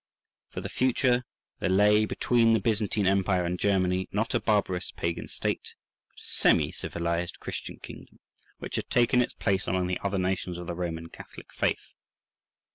For the future there lay between the Byzantine Empire and Germany not a barbarous pagan state, but a semi civilized Christian kingdom, which had taken its place among the other nations of the Roman Catholic faith.